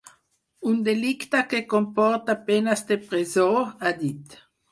Un delicte que comporta penes de presó, ha dit.